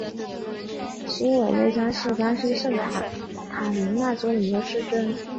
新韦内扎是巴西圣卡塔琳娜州的一个市镇。